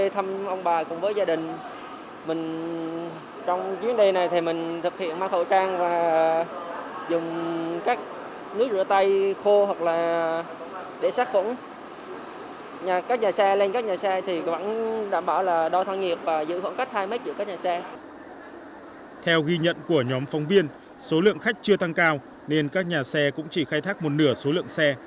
theo ghi nhận của nhóm phóng viên số lượng khách chưa tăng cao nên các nhà xe cũng chỉ khai thác một nửa số lượng xe